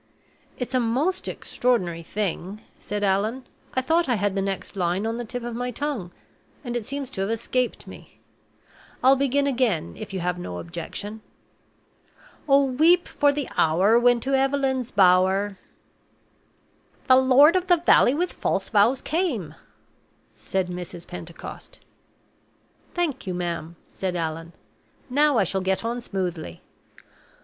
"It's a most extraordinary thing," said Allan; "I thought I had the next line on the tip of my tongue, and it seems to have escaped me. I'll begin again, if you have no objection. 'Oh, weep for the hour when to Eveleen's Bower '" "'The lord of the valley with false vows came,'" said Mrs. Pentecost. "Thank you, ma'am," said Allan. "Now I shall get on smoothly.